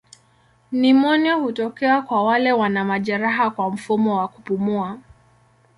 Nimonia hutokea kwa wale wana majeraha kwa mfumo wa kupumua.